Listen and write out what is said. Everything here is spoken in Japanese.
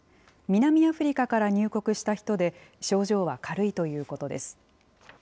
南アフリカから入国した人で、症状は軽いということです。